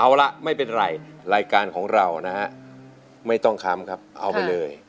เอาละไม่เป็นไรรายการของเรานะฮะไม่ต้องค้ำครับเอาไปเลย